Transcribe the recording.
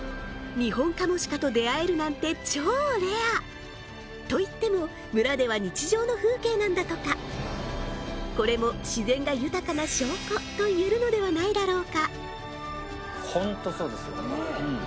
ニホンカモシカと出会えるなんて超レアといっても村では日常の風景なんだとかこれも自然が豊かな証拠といえるのではないだろうかホントそうですよ